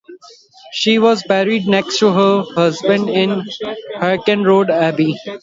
She was buried next to her husband in Herkenrode Abbey.